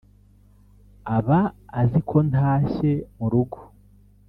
aba azi ko ntashye mu rugo